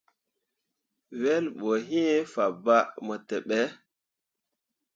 Wel ɓo iŋ fabaŋni mo teɓe.